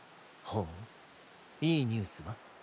ほういいニュースは？